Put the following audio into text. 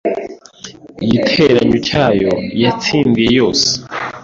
igiteranyo cy’ayo yatsindiye yose